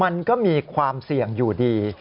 มันก็มีความเสี่ยงอยู่ดี